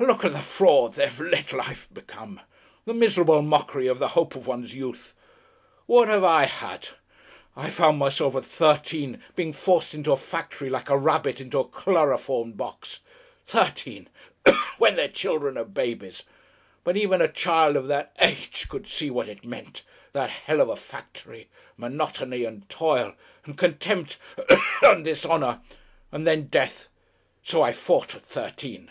"Look at the fraud they have let life become, the miserable mockery of the hope of one's youth. What have I had? I found myself at thirteen being forced into a factory like a rabbit into a chloroformed box. Thirteen! when their children are babies. But even a child of that age could see what it meant, that Hell of a factory! Monotony and toil and contempt and dishonour! And then death. So I fought at thirteen!"